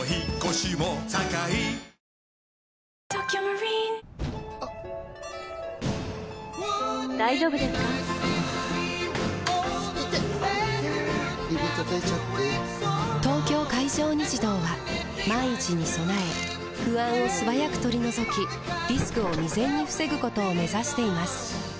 指たたいちゃって・・・「東京海上日動」は万一に備え不安を素早く取り除きリスクを未然に防ぐことを目指しています